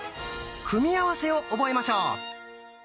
組み合わせを覚えましょう。